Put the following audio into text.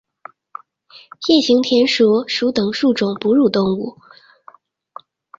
鼹形田鼠属等数种哺乳动物。